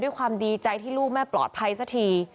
ด้วยความดีใจที่ลูกแม่ปลอดภัยสักที